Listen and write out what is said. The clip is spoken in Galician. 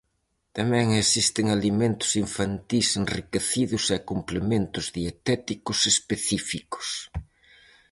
Tamén existen alimentos infantís enriquecidos e complementos dietéticos específicos.